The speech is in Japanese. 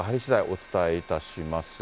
お伝えいたします。